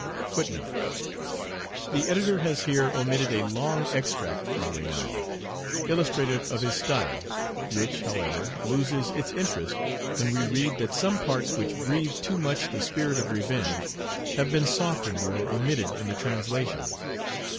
The Editor has here omitted a long extract from Raynal, illustrative of his style, which, however, loses its interest when we read that "some parts which breathe too much the spirit of revenge have been softened or omitted in the translation."